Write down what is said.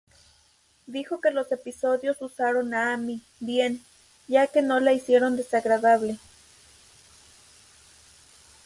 Dijo que los episodios usaron a Amy bien, ya que no la hicieron desagradable.